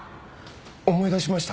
思い出しました？